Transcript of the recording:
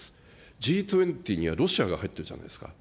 Ｇ２０にはロシアが入ってるじゃないですか。